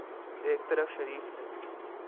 ایک طرف شریف تھے۔